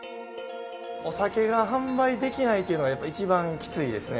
お酒が販売できないというのはやっぱり一番きついですね。